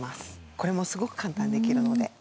これもすごく簡単にできるので。